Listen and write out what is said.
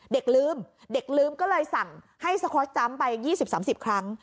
เด็กลืมก็เลยสั่งให้สะครอสจำไป๒๐๓๐ครั้ง